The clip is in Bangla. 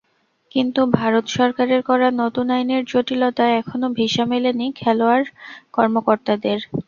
কিন্তু ভারত সরকারের করা নতুন আইনের জটিলতায় এখনো ভিসা মেলেনি খেলোয়াড়-কর্মকর্তাদের।